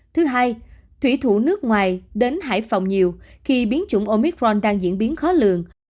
thứ hai thủy thủ nước ngoài đến hải phòng nhiều khi biến chủng omicron đang diễn biến khó lường